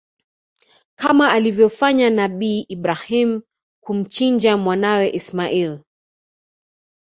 Kama alivyofanya nabii Ibrahim kumchinja mwanae Ismail